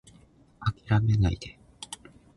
諦めないで